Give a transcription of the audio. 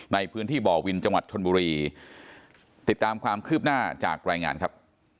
ในพื้นที่บ่อวินจังหวัดชนบุรีติดตามความคืบหน้าจากรายงานครับ